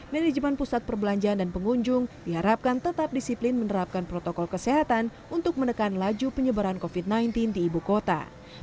manajemen pusat perbelanjaan dan pengunjung diharapkan tetap disiplin menerapkan protokol kesehatan untuk menekan laju penyebaran covid sembilan belas di ibu kota